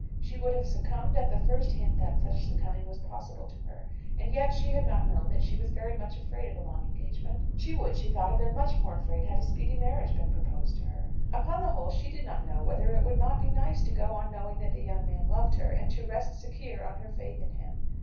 She would have succumbed at the first hint that such succumbing was possible to her. And yet she had not known that she was very much afraid of a long engagement. She would, she thought, have been much more afraid had a speedy marriage been proposed to her. Upon the whole, she did not know whether it would not be nice to go on knowing that the young man loved her, and to rest secure on her faith in him.